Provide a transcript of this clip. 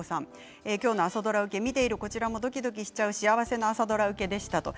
今日の朝ドラ受け見ているこちらもドキドキするし幸せな朝ドラ受けでした。